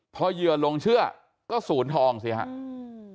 พอเหยื่อหลงเชื่อก็ศูนย์ทองสิครับ